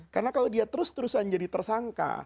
karena kalau dia terus terusan jadi tersangka